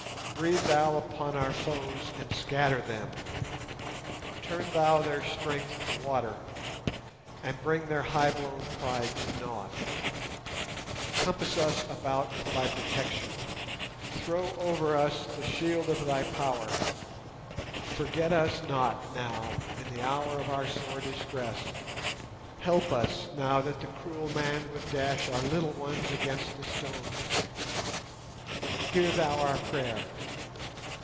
Breathe Thou upon our foes and scatter them; turn Thou their strength to water, and bring their high blown pride to nought; compass us about with Thy protection; throw over us the shield of Thy power; forget us not now in the hour of our sore distress; help us now that the cruel man would dash our little ones against the stones! Hear Thou our prayer!